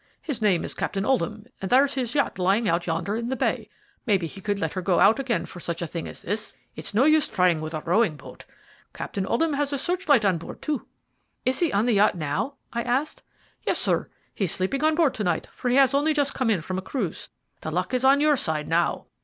"His name is Captain Oldham, and there's his yacht lying out yonder in the bay. Maybe he would let her go out again for such a thing as this. It's no use trying with a rowing boat. Captain Oldham has got a search light on board, too." "Is he on the yacht now?" I asked. "Yes, sir; he's sleeping on board to night, for he has only just come in from a cruise. The luck is on your side now."